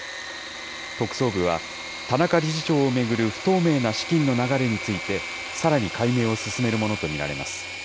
特捜部は、田中理事長を巡る不透明な資金の流れについて、さらに解明を進めるものと見られます。